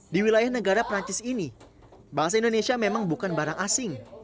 di wilayah negara perancis ini bahasa indonesia memang bukan barang asing